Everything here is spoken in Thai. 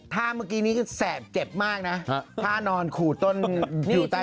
ถ้าเมื่อกี้นี้แสบเจ็บมากนะท่านอนขูดต้นอยู่ใต้